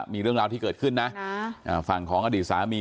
มีเรื่องราวที่เกิดขึ้นนะฝั่งของอดีตสามี